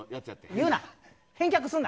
言うな！